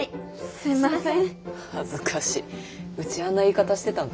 すんません。